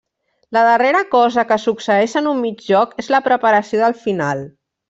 La darrera cosa que succeeix en un mig joc és la preparació del final.